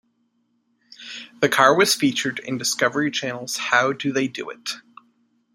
The car was featured in Discovery Channel's How Do They Do It?